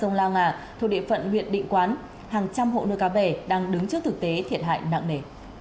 trong sông la nga thuộc địa phận nguyện định quán hàng trăm hộ nuôi cá bè đang đứng trước thực tế thiệt hại nặng nề